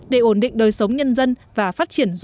để ổn định đời sống nhân dân và phát triển du lịch